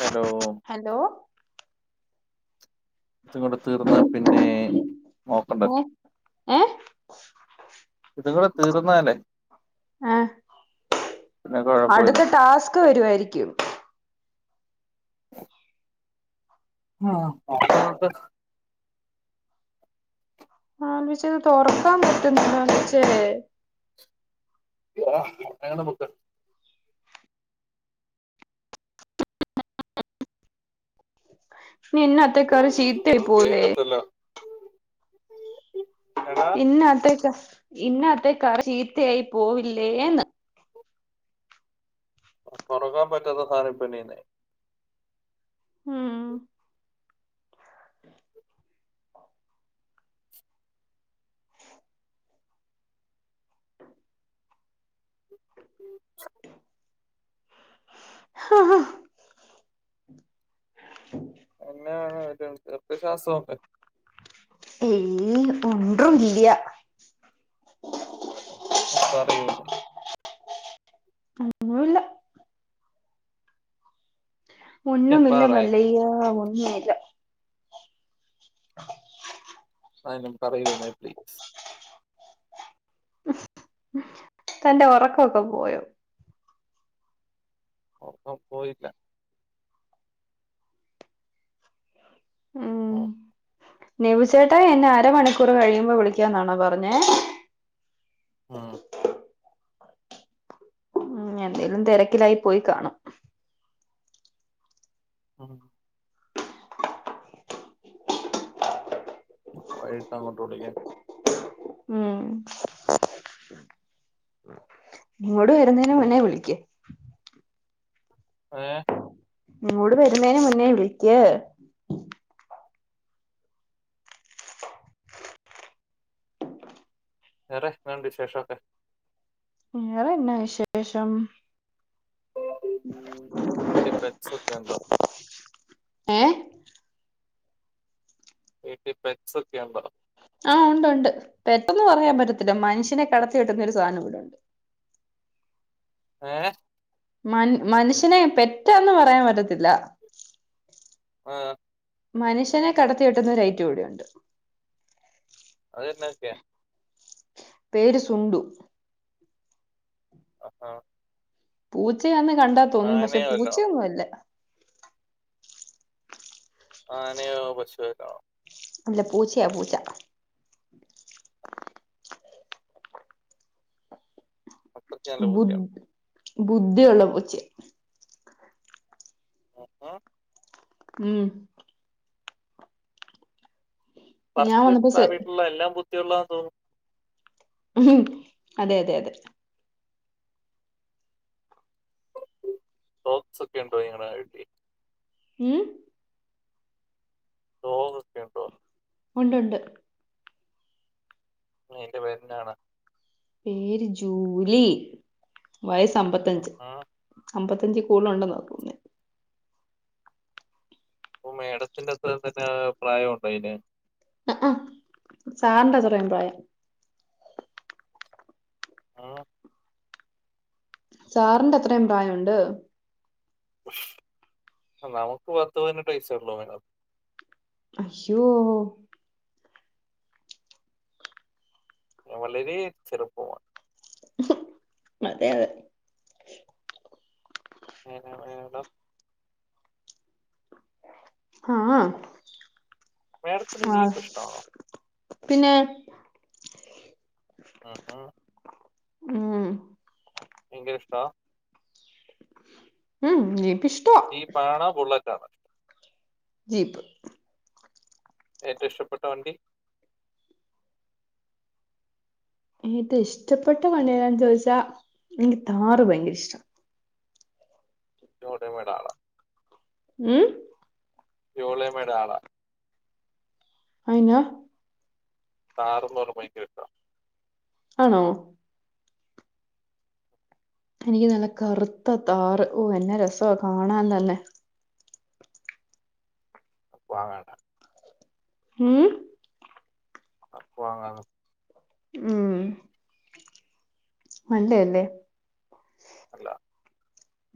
Hello hello തങ്ങണ്ട് തീർന്ന പിന്നെ ഏ നോക്കണ്ടല്ലോ ഏ ഇതു ംകൂടെ തീർന്നാല്ലേ ആ അടുത്ത ടാസ്ക് [unintelligible] ആ [unintelligible] [unintelligible] ഇത് തുറക്കാൻ പറ്റുന്നില്ല [unintelligible] [unintelligible] നിന്ന അത്രക്കറി ചീത്തആയി അത് പോവൂലെ കേക്കത്തില്ല എടാ ഇന്നത്തക്ക ഇന്നത്തെ കറി ചീത്തയായി പോവില്ലേന്ന് തുറക്കാൻ പറ്റാത്ത സാധനം പിന്നെ ന്നാ ചെയ്യും ഉം ഉം ആഹ ഹ ആ [unintelligible] [unintelligible] ഏയ് ഒണ്ട്റും ഇല്ല്യ പറയൂന്ന് ഒന്നുല്ല ഞാൻ ഒന്നും ഇല്ല പറയണ്ടേ മല്ലയാ ഒന്നുമില്ല. ന്നാലും പറയൂന്നേ പ്ലീസ്. തന്റെ ഉറക്കമൊക്കെ പോയോ ഒറക്കം പോയില്ല ഓ നിവിച്ചേട്ടായി എന്നെ അരമണിക്കൂർ കഴിയുമ്പോ വിളിക്കാന്നാണോ പറഞ്ഞെ ഉം ഉം എന്തേലും തിരക്കിലായി പോയി കാണും ഉം വൈകിട്ടങ്ങോട്ട് വിളിക്ക ഉം ഇങ്ങോട് വരുന്നതിന് മുന്നേ വിളിക്ക് ഏ ഇങ്ങോട് വരുന്നേന് മുന്നേ വിളിക്ക്. വേറെ എന്നാ ഉണ്ട് വിശേഷൊക്കെ? വേറെന്നാ വിശേഷം? വീട്ടിൽ പെറ്റ്സൊക്കെ ഉണ്ടോ? ഏ വീട്ടിൽ പെറ്റ് സൊക്കെ ഒണ്ടോ? ആഹ് ഉണ്ട് ഉണ്ട് പെറ്റെന്ന് പറയാൻ പറ്റത്തില്ല മനുഷ്യനെ കടത്തി കെട്ടുന്നൊ ഒരു സാധനം ഇവിടെ ഉണ്ട്. ഏ മ മനുഷ്യനെ പെറ്റെന്ന് പറയാൻ പറ്റത്തില്ല. ആ മനുഷ്യനെ കടത്തി വെട്ടുന്ന ഒരു ഐറ്റം ഇവിടുണ്ട്. അത് തന്നെയൊക്കെയാ പേരു സുണ്ടു. ആ പൂച്ചയാന്ന് കണ്ടാത്തോന്നും പക്ഷെ വല്ലോം പൂച്ചയൊന്നുമല്ല. ആ ആനെയോ പശു [unintelligible] അല്ല പൂച്ചയാ പൂച്ച. അത്രയ്ക്ക് നല്ല ബുദ്ധിയാണ്. ബുദ്ധിയുള്ള പൂച്ച. ഓ ഉം ഞാൻ പറച്ചില് വന്നപ്പോ കേട്ടിട്ട് ആ സെ വീട്ടിലുള്ള എല്ലാം ബുദ്ധിയുള്ള താന്ന് തോന്നുന്നു. ഉ അതെ അതെ അതെ. ഫോക്സൊക്കെ ഉണ്ടോയിങ്ങണട്ടി ഉം ഡോഗ് ഒക്കെ ഉണ്ടോ ഉണ്ട് ഉണ്ട് അയിന്റെ പേര്ന്നാണ് പേര് ജൂലി വയസ് ഉം അമ്പത്തഞ്ച് ഉം. അമ്പത്തി ത്തഞ്ച് കൂടുതൽ ഉണ്ടെന്നാ തോന്നേ അപ്പൊ മേഡത്തിന്റെത്ത് തന്നെ പ്രായം ഉണ്ടോ അയിന് ആ ആ സാറിന്റെ അത്രയും പ്രായാ ആഹ് സാറിന്റെ അത്രയും പ്രായം ഉണ്ട് നമുക്ക് പത്ത് പതിനെട്ട്ഴസള്ളോ മേഡം അശ്യോ വളരെ ചെറുപ്പമാണ് അതെ അതെ എന്ന മേഡം ആഹ് മേഡത്തിന് ജീപ്പ് ഇഷ്ടമാണോ പിന്നെ ആ ഹാ ഉം ഭയങ്കര ഇഷ്ടാ ഉം ജീപ്പിഷ് ഈ പാണ ബുള്ളറ്റാണ് ജീപ്പ് ഏറ്റവും ഇഷ്ടപ്പെട്ട വണ്ടി ഏറ്റവും ഇഷ്ടപ്പെട്ട വണ്ടി ഏതാ ചോദിച്ചാ എനിക്ക് താറ് ഭയങ്കര ഇഷ്ട ചോടെ മടാള ഉം ജോളമ്മേയുടെ ആളാ അയിന താറെന്ന് പറഞ്ഞ ഭയങ്കരട്ട ഇഷ്ടാ ആണോ എനിക്ക് നല്ല കറുത്താ താറ് ഓ എന്നാ രസ കാണാൻ തന്നെ വാങ്ങണ്ട ഉം അപ്പൊ [unintelligible] ഉം മണ്ടേ അല്ലേ അല്ല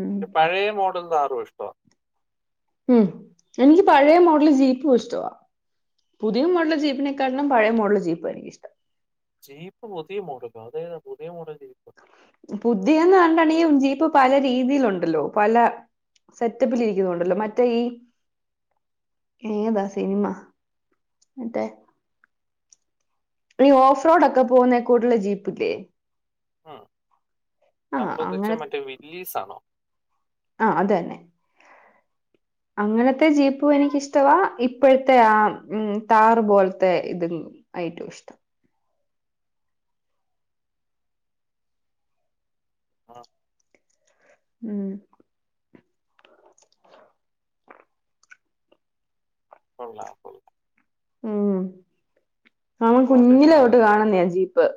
ഉം പെ പഴയ മോഡൽ താറും ഇഷ്ട്ട ഉം എനിക്ക് പഴയ മോഡല് ജീപ്പു ഇഷ്ടവാ പുതിയ മോഡൽ ജീപ്പിനെക്കാട്ടിലും പഴയ മോഡൽ ജീപ്പ് എനിക്കിഷ്ടം ജീപ്പ് പുതിയ മോഡൽ അതേതാ പുതിയ മോഡൽ ജീപ്പ് പുതിയന്ന് പറഞ്ഞി ട്ടാണെങ്കിൽ ഈ ജീപ്പ് പല രീതിയിലുണ്ടല്ലോ പല സെറ്റപ്പിലിരിക്കുന്നത് ഉണ്ടല്ലോ മറ്റേ ഈ ഏതാ സിനിമ മറ്റേ നീ ഓഫ്റോഡൊക്കെ പോകുന്നേ കൂടുള്ള ജീപ്പില്ലേ ഉം ആ താങ്കൾ ഉദേശ അങ്ങനെ മറ്റേ വില്ലീസ് ആണോ ആ അത് തന്നെ അങ്ങനത്തെ ജീപ്പു എനിക്കിഷ്ടവാ ഇപ്പോഴത്തെ ആ ഉം താറ് പോലത്തെ ഇത് ഐറ്റവും ഇഷ്ട ഉം, ഉം കൊള്ളാം കൊള്ള ഉം അവൻ അതുകൊണ്ട് തന്നെ കുഞ്ഞിലെ തൊട്ട് ഒരെണ്ണം കാണുന്നെ എടുക്കാം ജീപ്പ്.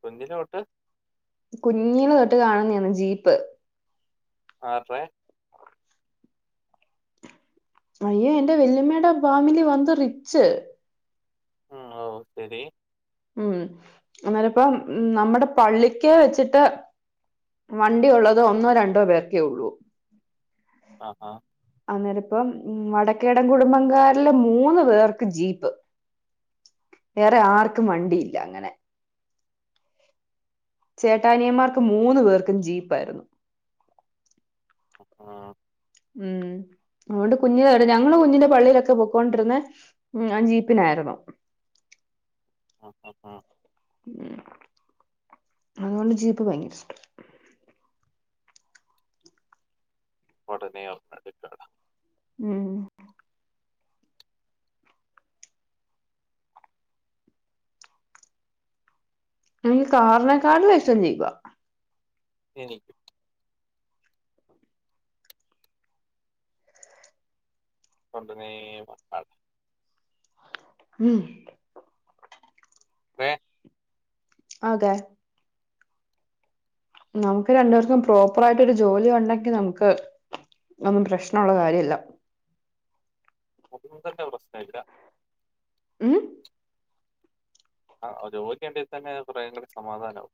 കുഞ്ഞിലൊട്ട്? കുഞ്ഞീന് തൊട്ട് കാണന്നേന്ന് ജീപ്പ്. ആത്രേ അയ്യോ എൻറെ വെല്ലിമ്മയുടെ ഫാമിലി വന്ത് റിച്ച്. ഉം ഓ ശരി ഉം അന്നേരപ്പം നമ്മടെ പള്ളിക്കെ വെച്ചിട്ട് വണ്ടി ഉള്ളതോ ഒന്നോ രണ്ടോ പേർക്കേ ഉള്ളൂ. ആഹ ആഹ അന്നേരിപ്പം വടക്കേടൻ കുടുംബകാരിലെ മൂന്ന് പേർക്ക് ജീപ്പ്. വേറെ ആർക്കും ഉം, വണ്ടിയില്ല അങ്ങനെ. ശരി. ചേട്ടാനിയന്മാർക്ക് മൂന്നു പേർക്കും ജീപ്പായിരുന്നു. ഉം, ഉം തുകൊണ്ട് കുഞ്ഞിലേൾ ഞങ്ങളെ കുഞ്ഞിൻ്റെ പള്ളിയിലൊക്കെ പൊക്കോണ്ടിരുന്നെ ഞാൻ ജീപ്പിലായിരുന്നു. ആ ആ ആ ഉ അതോണ്ട് ജീപ്പ് ഭയങ്കരിഷ്ട. ഉടനെ അവ്കാത്ക്കണ്ട. ഉം അങ്ങ് കാർനേക്കാട്ലിഷം ജീപ്പാ. എനിക്കും. കൊണ്ടനേ ആൾ ഉം വേ ആതെ. നമുക്ക് രണ്ടേർക്കും പ്രോപ്പറായിട്ട് ഒരു ജോലി ഉണ്ടെങ്കി നമുക്ക് ഒന്നും പ്രശ്നൊള്ള കാര്യല്ല. [unintelligible] പ്രശ്‌നേ ഇല്ല. ഉം? ആഹ ജോലിണ്ടേ തന്നെ കുറെ കൂടി സമാധാനാവും.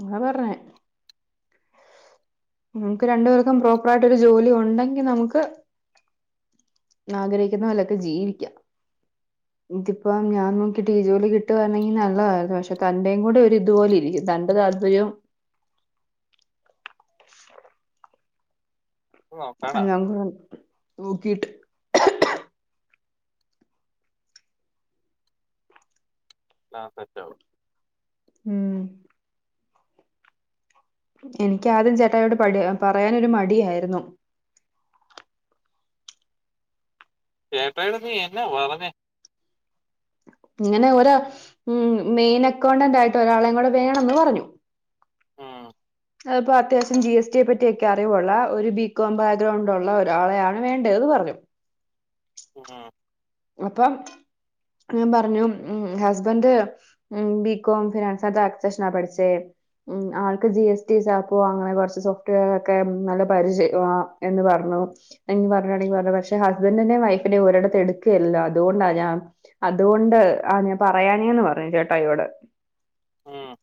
ങ്ങള് പറഞ്ഞേ നമുക്ക് രണ്ടേർക്കും പ്രോപ്പറായിട്ട് ഒരു ജോലി ഉണ്ടെങ്കി നമുക്ക് ആഗ്രഹിക്കുന്ന പോലൊക്കെ ജീവിക്കാം. ഇൻകിപ്പ ഞാൻ നോക്കിയിട്ട് ജോലി കിട്ടുവാന്നെങ്കിൽ നല്ലതായിരുന്നു. പക്ഷെ തന്റെയും കൂടെ ഒരിതു പോ ലിരിക്കും തന്റെതർ അർദയം നോക്കാടാ അല്ലകുഴൻ നോക്കീട്ട് ആ സെറ്റാവും. ഉം. എനിക്ക് ആദ്യം ചേട്ടായോട് പടി പറയാനൊരു മടിയായിരുന്നു. ചേട്ടായിടത്ത് നീ എന്നാ പറഞ്ഞേ? ഇങ്ങനെ ഒര ഉ മെയിനക്കൗണ്ടൻ്റായിട്ട് ഒരാളെംകൂടെ വേണംന്ന് പറഞ്ഞു. ഉം, പ്പോ അത്യാവശ്യം ജി എസ് ടിയെ പറ്റിയൊക്കെ അറിവുള്ള ഒരു ബികോം ബാക്ക്ഗ്രൗണ്ട് ഉള്ള ഒരാളെയാണ് വേണ്ടേന്ന് പറഞ്ഞു. ആഹ അപ്പം ഞാൻ പറഞ്ഞു ഉ ഹസ്ബൻഡ് ഉ ബികോം ഫിനാൻസക്സഷനാ പഠിച്ചേന്ന്. ഉ ആൾക്ക് ജി എസ് ടി [unintelligible] കൊറച്ച് സോഫ്റ്റ്വെയറൊക്കെ നല്ല പരിചയ എന്ന് പറഞ്ഞു. പറുെൾൽ പറഞ്ഞ പക്ഷെ ഹസ്ബന്റിന്റെ വൈഫിനെ ഒഓരിടത്ത് എടു ഒക്കെയല്ലോ അതുകൊണ്ടാ ഞാൻ അതുകൊണ്ട് ആ ഞാൻ പറയാനേന്ന് പറഞ്ഞു ചേട്ട അോട് ആഹ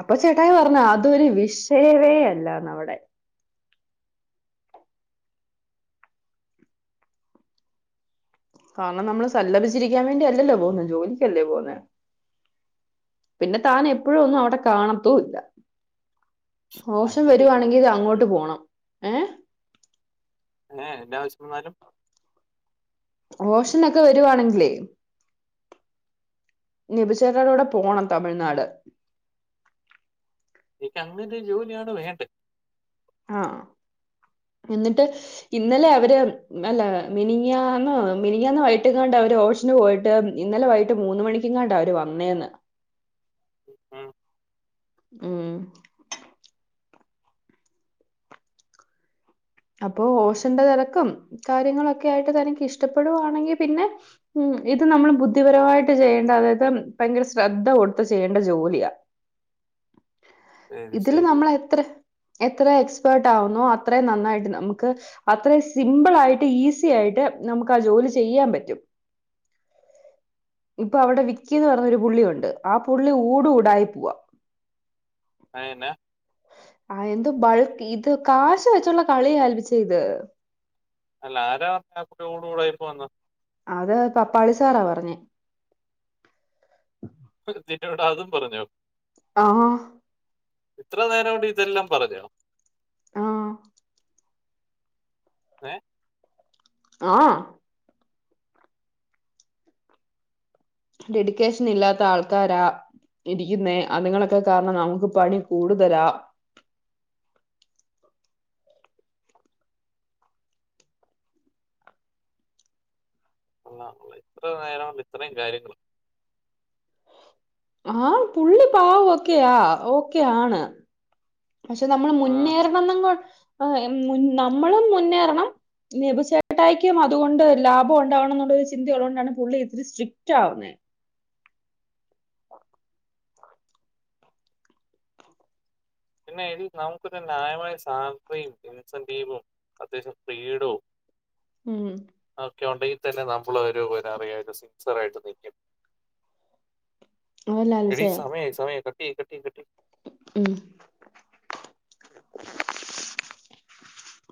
അപ്പൊ ചേട്ടായി പറഞ്ഞ അതൊരു വിഷയവേയല്ല നമ്മടെ കാരണം നമ്മള് സല്ലഭിച്ചിരിക്കാൻ വേണ്ടി അല്ലല്ലോ പോുന്ന ജോലിക്കല്ലേ പോുന്നേ പിന്നെ തൻ എപ്പോഴുംൊന്നും അവിടെ കാണത്തൂ ഇല്ല മോശം അങ്ങനെ ഒരു വരുവാണെങ്കിൽത് ജോലിയാണ് എനിക്ക് അങ്ങോട്ട് പോണം ഏ ഏ എന്താവശ്യന്മാരും ഓഷനൊക്കെ വരുവാണെങ്കിലേ നിബിജകളോടെ പോണം തമിഴ്നാട് എനിക്ക് അങ്ങനത്തെ ജോലിയാണ് വേണ്ടത് ആഹ എന്നിട്ട് ഇന്നലെ അവര് അല്ല മിനിങ്ങന്നോ മിനിയന്നോ ആയിട്ട്ണ്ട ഓഷന് പോയിട്ട് ഇന്നലെ വൈട്ട് മൂന്ന മണിക്കങ്ങാണ്ട അവര് വന്നേന്ന് ഉം, ഉം അപ്പോ ഓഷന്റെ തിരക്കും കാര്യങ്ങളൊക്കെ ആയിട്ട് തനിക്ക് ഇഷ്ടപ്പെടുകവാണെങ്കിൽ പിന്നെ ഉ ഇത് നമ്മൾ ബുദ്ധിപരമായിട്ട് ചെയ്യേണ്ട അതായത് ഭയങ്കര ശ്രദ്ധ കൊടുത്ത ചെയ്യേണ്ട ജോലിയാ ശരി ഇതില് ശരി നമ്മൾ എത്ര എത്ര എക്സ്പേർട്ട് ആകുന്നോ അത്ര നന്നായിട്ട് നമുക്ക് അത്ര സിമ്പിൾ ആയിട്ട് ഈസി ആയിട്ട് നമുക്ക് ആ ജോലി ചെയ്യാൻ പറ്റും ഇപ്പൊ അവിടെ വിക്കിന്ന് പറഞ്ഞ ഒരു പുള്ളിയുണ്ട് ആ പുള്ളി ഊട് ൂടായി പോവാ ആ എന്നാ ആ എന്തോ ബൾക്ക് ഇത് കാശ വെച്ചുള്ള കളിയ ആല്പിച്ച ഇത് അല്ല ആരാ പറഞ്ഞ കൂട കൂടൊയിപ്പോന്ന് അത് പപ്പാളി സാറാ പറഞ്ഞേ തീറ്റോട്ട അതും പറഞ്ഞോ ആഹ ഇത്ര നേരംകൊണ്ട് ഇതെല്ലാം പറഞ്ഞണം ആഹ ഏ ആഹ ഡെഡിക്കേഷൻ ഇല്ലാത്ത ആൾക്കാരാ ഇരിക്കുന്നേ അതുങ്ങളൊക്കെ കാരണം നമുക്ക് പണി കൂടുതലാ അല്ല ഇത്ര നേര കൊണ്ട് ഇത്രയും കാര്യങ്ങൾ ആ പുള്ളി പാവൊക്കെയാ ഓക്കെയ ആാണ് പക്ഷെ നമ്മൾ ആ മുന്നേറണംങ്ക നമ്മളും മുന്നേറണം നെഭിച്ചേട്ടായിക്കും അതുകൊണ്ട് ലാഭം ഉണ്ടാവണം എന്നുള്ളരു ചിന്ത ഉള്ളത്കൊണ്ടാണ് പുള്ളി ഇത്തിരി സ്ട്രിക്ട് ആവുന്നത്േ പിന്നെ ഇ നമുക്ക് തന്നെ ന്യായമായ സാന്യു ഇൻസൻദീപും അത്യാവശ്യം ഫ്റീഡോ ഉം ഒക്കെ ഉണ്ടെങ്കിൽ തന്നെ നമ്മൾ ഒരുറിയ ഒരു സിങ്സർ ആയിട്ട് നൽക്കും അതല്ല എടി അലിച്ചേ സമയ സമയ കട്ടി കട്ടി കട്ടി ഉം